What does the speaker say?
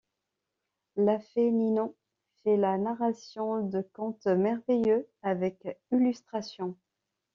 La fée Ninon fait la narration de contes merveilleux, avec illustrations.